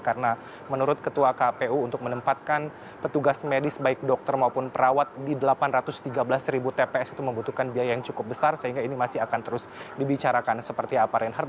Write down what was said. karena menurut ketua kpu untuk menempatkan petugas medis baik dokter maupun perawat di delapan ratus tiga belas ribu tps itu membutuhkan biaya yang cukup besar sehingga ini masih akan terus dibicarakan seperti apa reinhardt